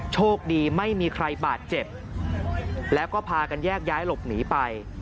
โชคดีไม่มีใครบาดเจ็บแล้วก็พากันแยกย้ายหลบหนีไป